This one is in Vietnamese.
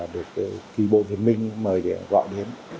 được kỳ bộ viện minh mời gọi đến